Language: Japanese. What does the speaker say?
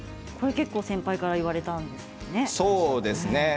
これは結構先輩から言われたんですってね。